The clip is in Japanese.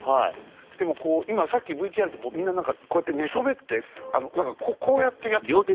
でも今さっきＶＴＲでこうみんな何かこうやって寝そべってこうやってやってたんだよ。